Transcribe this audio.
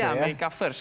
iya amerika first